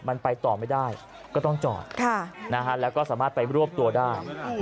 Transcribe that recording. มันไปต่อไม่ได้ก็ต้องจอดแล้วก็สามารถไปรวบตัวได้